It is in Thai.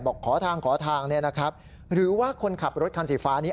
ขอทางขอทางเนี่ยนะครับหรือว่าคนขับรถคันสีฟ้านี้